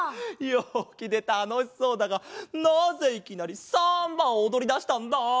ようきでたのしそうだがなぜいきなりサンバをおどりだしたんだ？